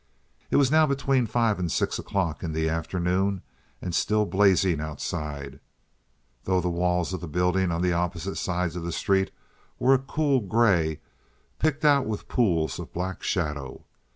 It was now between five and six o'clock in the afternoon and still blazing outside, though the walls of the buildings on the opposite side of the street were a cool gray, picked out with pools of black shadow.